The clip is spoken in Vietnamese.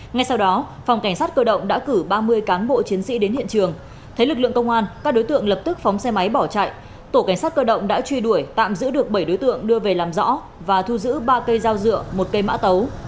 ngay sau đó phòng cảnh sát cơ động đã cử ba mươi cán bộ chiến sĩ đến hiện trường thấy lực lượng công an các đối tượng lập tức phóng xe máy bỏ chạy tổ cảnh sát cơ động đã truy đuổi tạm giữ được bảy đối tượng đưa về làm rõ và thu giữ ba cây dao dựa một cây mã tấu